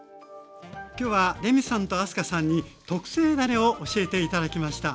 きょうはレミさんと明日香さんに特製だれを教えて頂きました。